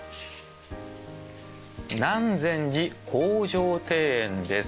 南禅寺方丈庭園です。